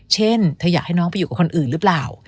เช่นเธออยากให้น้องไปอยู่กับคนอื่นหรือเปล่า